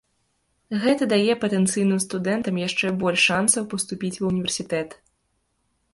Гэта дае патэнцыйным студэнтам яшчэ больш шанцаў паступіць ва ўніверсітэт.